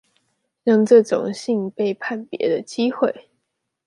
讓這種信被判別的機會